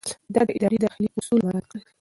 ده د ادارې داخلي اصول مراعات کړل.